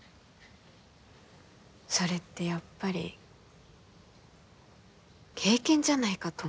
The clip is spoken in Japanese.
それってやっぱり経験じゃないかと思うんだよね。